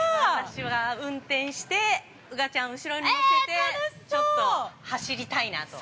◆私は運転して、宇賀ちゃんを後ろに乗せて、ちょっと、走りたいなと。